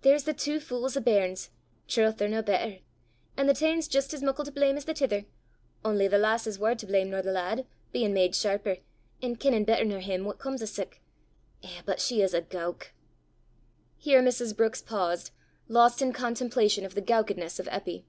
There's thae twa fules o' bairns trowth, they're nae better; an' the tane 's jist as muckle to blame as the tither only the lass is waur to blame nor the lad, bein' made sharper, an' kennin' better nor him what comes o' sic! Eh, but she is a gowk!" Here Mrs. Brookes paused, lost in contemplation of the gowkedness of Eppy.